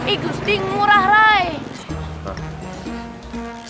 iguz dhing murah rai